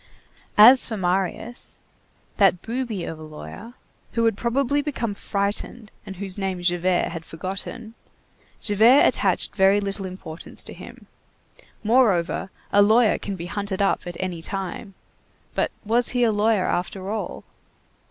As for Marius, "that booby of a lawyer," who had probably become frightened, and whose name Javert had forgotten, Javert attached very little importance to him. Moreover, a lawyer can be hunted up at any time. But was he a lawyer after all?